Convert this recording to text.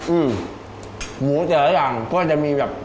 อื้มหมูแต่หลายก่อนก็จะมีแบบ